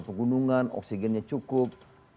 pegunungan oksigennya cukup